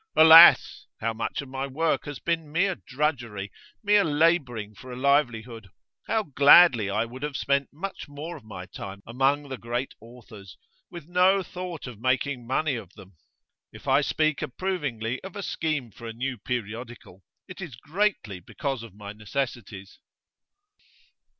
Alas! how much of my work has been mere drudgery, mere labouring for a livelihood! How gladly I would have spent much more of my time among the great authors, with no thought of making money of them! If I speak approvingly of a scheme for a new periodical, it is greatly because of my necessities.